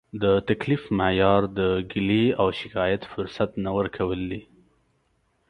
د تکلیف معیار د ګیلې او شکایت فرصت نه ورکول دي.